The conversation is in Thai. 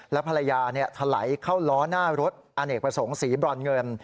และภรรยาถลายเข้าล้อหน้ารถอเนกประสงค์สีบรอนเงิน